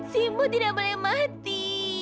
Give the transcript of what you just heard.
simbo tidak boleh mati